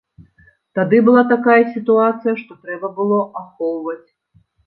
Тады была такая сітуацыя, што трэба было ахоўваць.